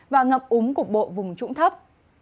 và ngập úng cục bộ vùng trũng thấp